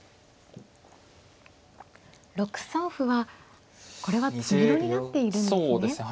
６三歩はこれは詰めろになっているんですね。